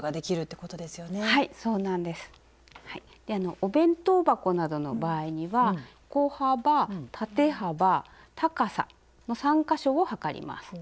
お弁当箱などの場合には横幅縦幅高さの３か所を測ります。